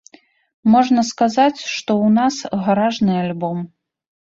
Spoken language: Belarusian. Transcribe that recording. Можна сказаць, што ў нас гаражны альбом.